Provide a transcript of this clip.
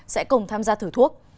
sẽ cùng tham gia thử thuốc